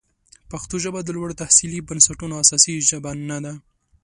پښتو ژبه د لوړو تحصیلي بنسټونو اساسي ژبه نه ده.